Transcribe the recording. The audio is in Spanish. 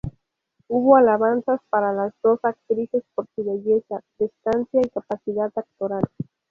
Hubo alabanzas para las dos actrices por su belleza, prestancia y capacidad actoral.